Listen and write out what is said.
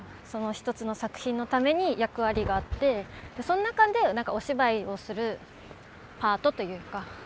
その一つの作品のために役割があってその中でお芝居をするパートというか。